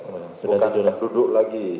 bukan duduk lagi